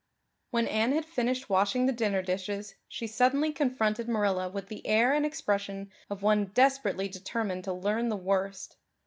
When Anne had finished washing the dinner dishes she suddenly confronted Marilla with the air and expression of one desperately determined to learn the worst.